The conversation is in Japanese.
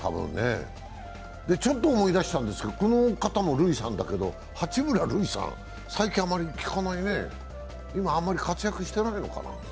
ちょっと思い出したんですけど、この方も「ルイさん」だけど八村塁さん、最近あまり聞かないね今あまり活躍してないのかな？